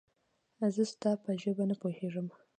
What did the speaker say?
زه ستا په ژبه نه پوهېږم